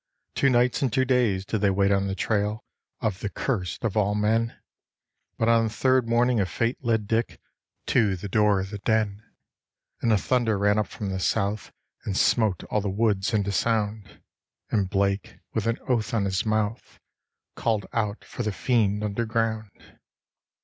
Two nights and two days did they wait on the trail of the curst of all men; But on the third morning a fate led Dick to the door of the den; And a thunder ran up from the south and smote all the woods into sound; And Blake, with an oath on his mouth, called out for the fiend underground.